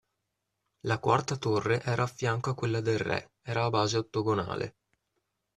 La quarta torre era affianco a quella del re, era a base ottagonale.